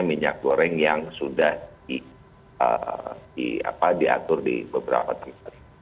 minyak goreng yang sudah diatur di beberapa tempat